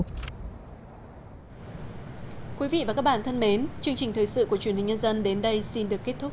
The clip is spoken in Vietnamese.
ngân hàng trung ương nhật bản quyết định vẫn giữ nguyên chính sách nới lỏng tiền tệ của các ngân hàng trung ương